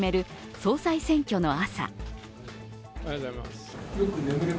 総裁選挙の朝